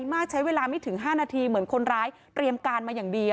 มากใช้เวลาไม่ถึง๕นาทีเหมือนคนร้ายเตรียมการมาอย่างดี